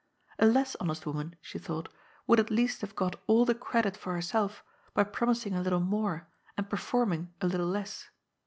A less honest woman, she thought, would at least have got all the credit for herself by promising a little more and performing a little less.